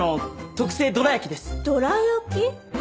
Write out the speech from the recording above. どら焼き？